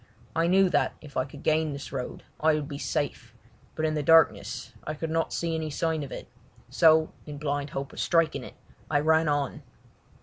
I knew that if I could gain this road I would be safe, but in the darkness I could not see any sign of it, so, in blind hope of striking it, I ran on.